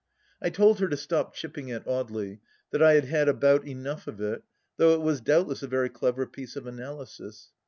I told her to stop chipping at Audely, that I had had about enough of it, though it was doubtless a very clever piece of analysis.